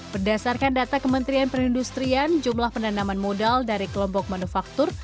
berdasarkan data kementerian perindustrian jumlah penanaman modal dari kelompok manufaktur